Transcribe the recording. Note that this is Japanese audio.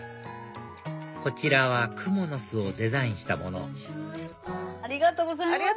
こちらはクモの巣をデザインしたものありがとうございました